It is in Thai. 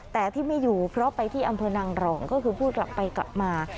แต่ที่ไม่อยู่เพราะไปที่อำเภอนางรองก็คือพูดกลับไปกลับมา